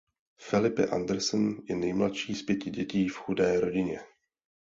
Felipe Anderson je nejmladší z pěti dětí v chudé rodině.